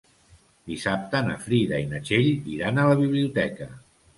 Dissabte na Frida i na Txell iran a la biblioteca.